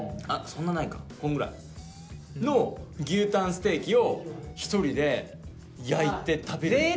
そんなないかこんぐらいの牛タンステーキを１人で焼いて食べる。